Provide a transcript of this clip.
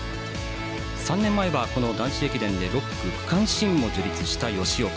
３年前は男子駅伝で６区区間新を樹立した吉岡。